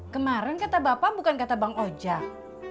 kemarin kata bapak bukan kata bang ojek